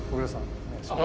お願いします。